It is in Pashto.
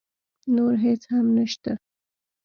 نور هېڅ هم نه شته.